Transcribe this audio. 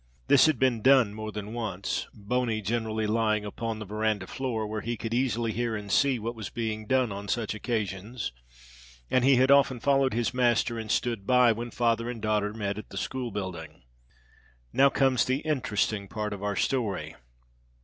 This had been done more than once, Boney generally lying upon the veranda floor where he could easily hear and see what was being done on such occasions, and he had often followed his master and stood by when father and daughter met at the school building. Now comes the interesting part of our story.